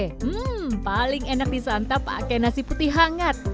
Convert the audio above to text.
hmm paling enak disantap pakai nasi putih hangat